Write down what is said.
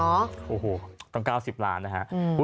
โอ้โหตั้ง๙๐ล้านนะฮะ